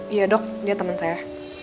iya dok dia teman saya